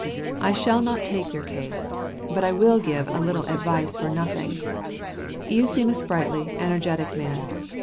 I shall not take your case, but I will give a little advice for nothing. You seem a sprightly, energetic man.